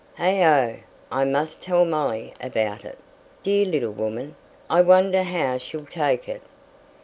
Heigho! I must tell Molly about it: dear little woman, I wonder how she'll take it?